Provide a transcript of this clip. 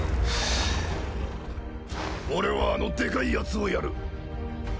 俺はあのでかいヤツをやる。